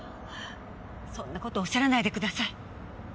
そんな事おっしゃらないでください。